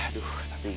aduh tapi gimana